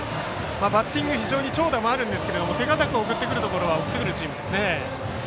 バッティングは長打もあるんですが手堅く送ってくるところは送ってくるチームです。